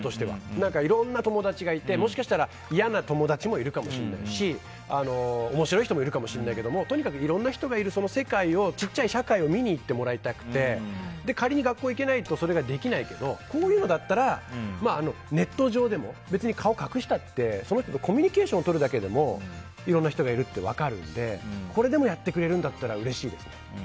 いろんな友達がいてもしかしたら嫌な友達もいるかもしれないし面白い人もいるかもしれないけどとにかくいろんな人がいる世界ちっちゃい社会を見に行ってほしくて仮に学校にいけないとそれはできないけどこういうのだったらネット上でも、別に顔隠したってその人とコミュニケーションとるだけでもいろんな人がいるって分かるのでこれでもやってくれるんだったらうれしいですね。